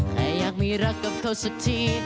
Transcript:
แต่อยากมีรักกับเขาสักที